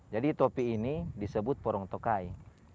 jadi topi ini disebut porong tokai